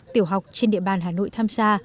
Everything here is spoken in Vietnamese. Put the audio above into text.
tiểu học trên địa bàn hà nội tham gia